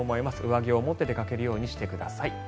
上着を持って出かけるようにしてください。